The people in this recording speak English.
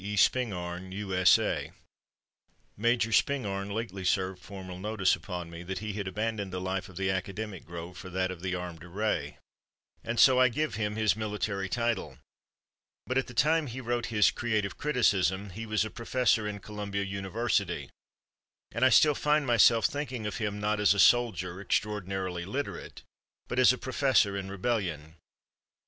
E. Spingarn, U. S. A. Major Spingarn lately served formal notice upon me that he had abandoned the life of the academic grove for that of the armed array, and so I give him his military title, but at the time he wrote his "Creative Criticism" he was a professor in Columbia University, and I still find myself thinking of him, not as a soldier extraordinarily literate, but as a professor in rebellion.